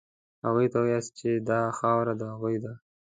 هغوی ته ووایاست چې دا خاوره د هغوی ده.